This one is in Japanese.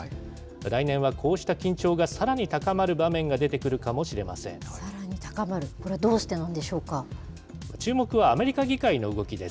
来年はこうした緊張がさらに高まさらに高まる、これ、どうし注目はアメリカ議会の動きです。